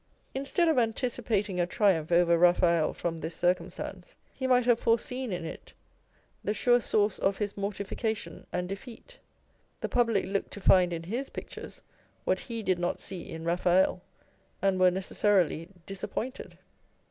Instead of anticipating a triumph over Eaphael from this circumstance, he might have foreseen in it the sure source of his mortification and defeat. The public looked to find in Ins pictures what he did not see in Raphael, and were necessarily disappointed.